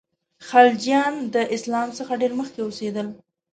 خلجیان د اسلام څخه ډېر مخکي اوسېدلي.